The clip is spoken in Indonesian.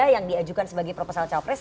yang diajukan sebagai profesor calpres